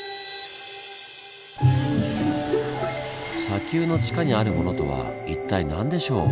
砂丘の地下にあるものとは一体何でしょう？